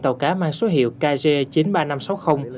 tàu cá mang số hiệu kg chín mươi ba nghìn năm trăm sáu mươi